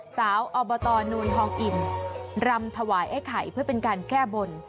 สาวอบอตอนุยฮองอินรำถวายไอ้ไข่เพื่อเป็นการแก้บน